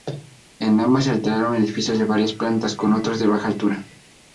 En ambas se alternaron edificios de varias plantas con otros de baja altura.